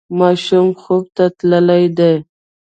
ماشوم خوب ته تللی دی.